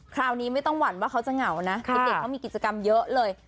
คราวนี้ไม่ต้องหวั่นว่าเขาจะเหงานะเด็กเขามีกิจกรรมเยอะเลย